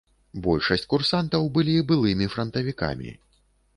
Большасць курсантаў былі былымі франтавікамі.